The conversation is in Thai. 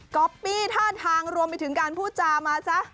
อปปี้ท่าทางรวมไปถึงการพูดจามาซะ